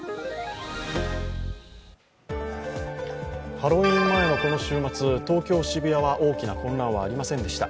ハロウィーン前のこの週末、東京・渋谷は大きな混乱はありませんでした。